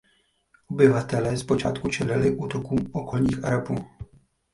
Obyvatelé zpočátku čelili útokům okolních Arabů.